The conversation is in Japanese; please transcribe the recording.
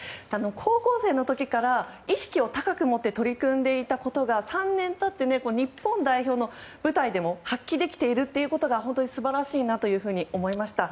高校生の時から意識を高く持って取り組んでいたことが３年経って日本代表の舞台でも発揮できているということが本当に素晴らしいなと思いました。